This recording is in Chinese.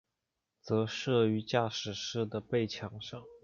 则设于驾驶室的背墙上。